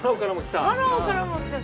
パラオからも来た。